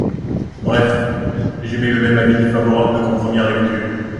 Bref, j’émets le même avis défavorable qu’en première lecture.